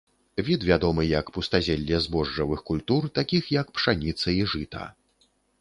Від вядомы як пустазелле збожжавых культур, такіх як пшаніца і жыта.